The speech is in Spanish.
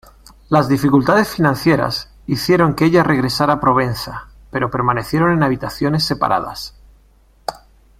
Las dificultades financieras hicieron que ella regresara a Provenza, pero permanecieron en habitaciones separadas.